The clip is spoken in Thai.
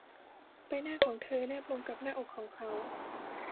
ใบหน้าของเธอแนบลงกับหน้าอกของเขา